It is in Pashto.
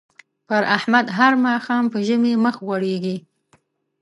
پر احمد هر ماښام په ژمي مخ غوړېږي.